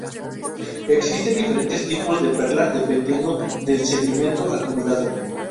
Existen diferentes tipos de perla dependiendo del sedimento acumulado.